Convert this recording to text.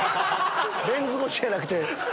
レンズ越しじゃなくて。